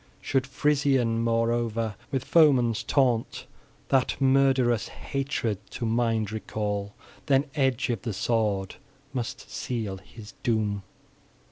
Should Frisian, moreover, with foeman's taunt, that murderous hatred to mind recall, then edge of the sword must seal his doom.